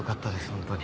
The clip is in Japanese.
本当に。